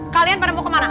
kalian pada mau kemana